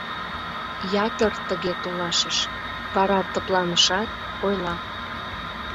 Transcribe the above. Ятыр тыге толашыш, вара тыпланышат, ойла: